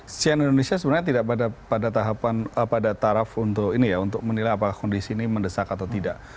sisi yang indonesia sebenarnya tidak pada taraf untuk menilai apakah kondisi ini mendesak atau tidak